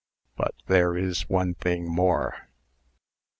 But there is one thing more!"